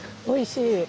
おいしい。